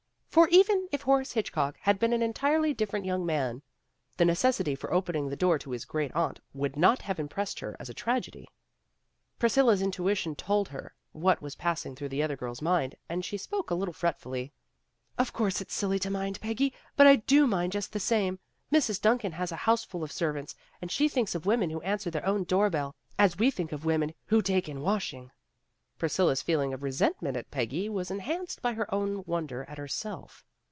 For even if Horace Hitchcock had been an entirely different young man, the necessity for opening the door to his great aunt would not have impressed her as a tragedy. Priscilla's intuition told her what was passing through the other girl's mind, and she spoke a little fretfully. "Of course it's silly to mind, Peggy, but I do mind, just the same. Mrs. Duncan has a house ful of servants, and she thinks of women who answer their own door bell as we think of women who take in washing." Priscilla's feeling of resentment at Peggy was enhanced by her own wonder at herself.